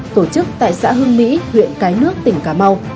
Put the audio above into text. tổ chức tại xã hương mỹ huyện cái nước tỉnh cà mau